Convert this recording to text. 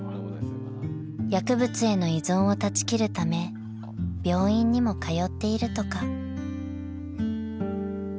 ［薬物への依存を断ち切るため病院にも通っているとか］